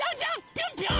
ぴょんぴょん！